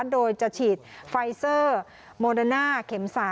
โดยจะฉีดไฟเซอร์โมเดอร์น่าเข็ม๓